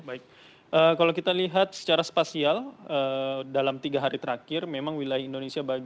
baik kalau kita lihat secara spasial dalam tiga hari terakhir memang wilayah indonesia bagian